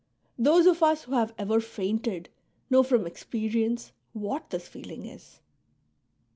Those of us who have ever fainted know from experience what this feeling is.